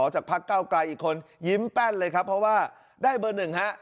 จากพักเก้าไกลอีกคนยิ้มแป้นเลยครับเพราะว่าได้เบอร์หนึ่งฮะ